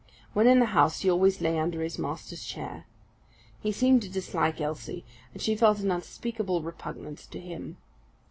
When in the house, he always lay under his master's chair. He seemed to dislike Elsie, and she felt an unspeakable repugnance to him.